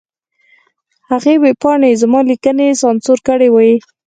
هغې ویبپاڼې زما لیکنې سانسور کړې وې.